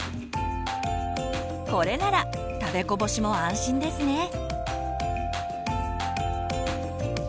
これなら食べこぼしも安心ですね。